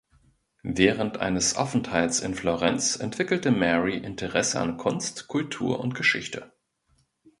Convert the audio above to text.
Während eines Aufenthalts in Florenz entwickelte Mary Interesse an Kunst, Kultur und Geschichte.